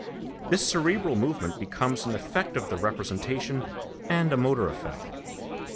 This cerebral movement becomes an effect of the representation and a motor effect.